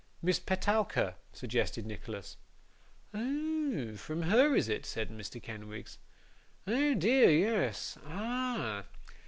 'Miss Petowker,' suggested Nicholas. 'Oh! from her, is it?' said Mr. Kenwigs. 'Oh dear, yes. Ah!